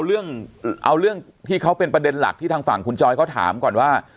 เอาเรื่องที่เขาเป็นประเด็นหลักที่ทางฝั่งคุณจอยเขาถามก่อนว่า